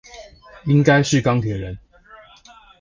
應該是鋼鐵人